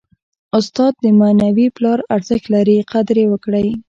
استاد د معنوي پلار ارزښت لري. قدر ئې وکړئ!